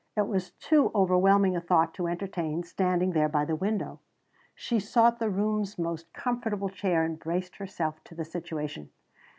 It was too overwhelming a thought to entertain standing there by the window. She sought the room's most comfortable chair and braced herself to the situation.